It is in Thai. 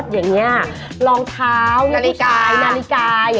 อย่างนี้ลองเท้านาฬิกา